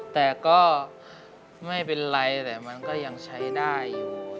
แต่ก็ไม่เป็นไรแต่มันก็ยังใช้ได้อยู่